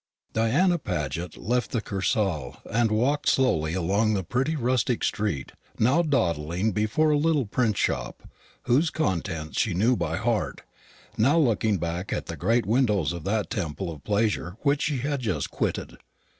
Diana Paget left the Kursaal, and walked slowly along the pretty rustic street; now dawdling before a little print shop, whose contents she knew by heart, now looking back at the great windows of that temple of pleasure which she had just quitted.